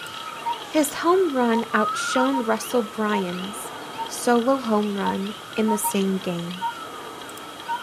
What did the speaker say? His home run outshone Russell Branyan's solo home run in the same game.